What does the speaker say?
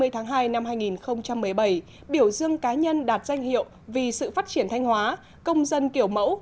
hai mươi tháng hai năm hai nghìn một mươi bảy biểu dương cá nhân đạt danh hiệu vì sự phát triển thanh hóa công dân kiểu mẫu